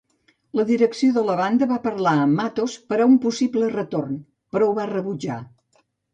La direcció de la banda va parlar amb Matos per a un possible retorn, però ho va rebutjar.